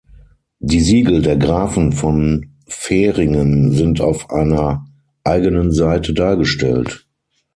Die Siegel der Grafen von Veringen sind auf einer eigenen Seite dargestellt.